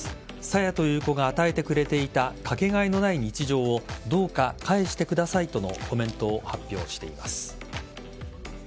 さやという子が与えてくれていたかけがえのない日常をどうか返してくださいとのコメントを発表しています。